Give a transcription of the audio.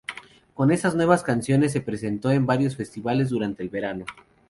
Con esas nuevas canciones, se presentó en varios festivales durante el verano.